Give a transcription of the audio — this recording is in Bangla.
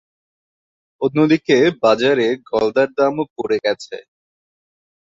অন্যদিকে বাজারে গলদার দামও পড়ে গেছে।